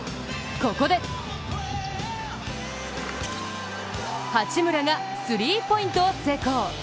ここで八村がスリーポイントを成功。